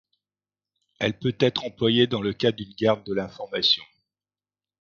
Elle peut être employée dans le cas d'une guerre de l'information.